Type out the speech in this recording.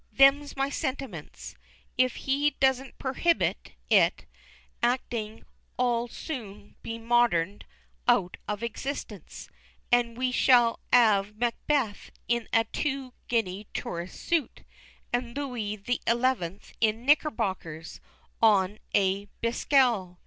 Them's my sentiments. If he don't perhibit it, actin' 'ull soon be modden'd out of existence; an' we shall 'ave Macbeth in a two guinea tourist suit, and Looy the Eleventh in nickerbockers, on a bisykel.